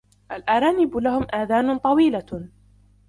الأرانب لهم آذان طويلة.